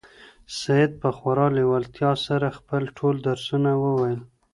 سعید په خورا لېوالتیا سره خپل ټول درسونه وویل.